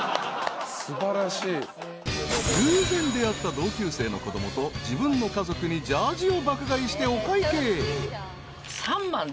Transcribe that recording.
［偶然出会った同級生の子供と自分の家族にジャージーを爆買いしてお会計］